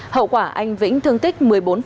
hậu quả anh vĩnh thương tích một mươi bốn